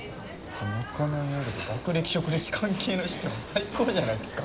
賄いありで学歴職歴関係なしってもう最高じゃないっすか。